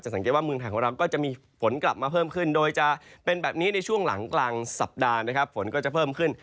สัปดาห์นะครับฝนก็จะเพิ่มขึ้น